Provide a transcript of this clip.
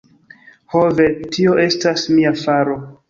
Ho ve, tio estas mia faro!